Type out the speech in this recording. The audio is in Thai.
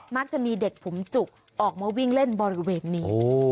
มักจะมีเด็กผมจุกออกมาวิ่งเล่นบริเวณนี้